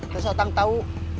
terus otang tau